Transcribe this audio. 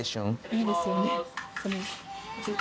いいですよね。